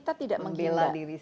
kita tidak menghindar